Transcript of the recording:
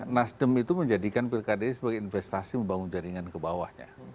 nasdem itu menjadikan pilkada sebagai investasi membangun jaringan ke bawahnya